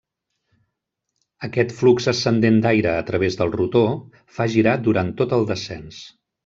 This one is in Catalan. Aquest flux ascendent d'aire a través del rotor fa girar durant tot el descens.